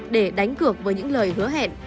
để đánh cược với những lời hứa hẹn